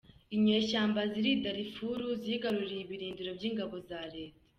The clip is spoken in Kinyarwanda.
Inyeshyamba z’iri Darifuru zigaruriye ibirindiro by’ingabo za Leta